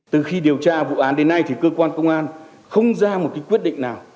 từ khi điều tra vụ án đến nay thì cơ quan công an không ra một quyết định nào